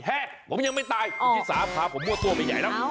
แฮะผมยังไม่ตายวันที่สามขาผมมั่วตัวไม่ใหญ่นะ